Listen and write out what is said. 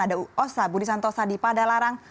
ada osa budi santosa di padalarang